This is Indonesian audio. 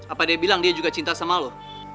apa dia bilang dia juga cinta sama lo